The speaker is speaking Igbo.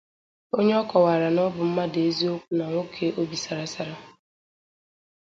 onye ọ kọwara na ọ bụ mmadụ eziokwu na nwoke obi sara sara